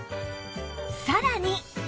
さらに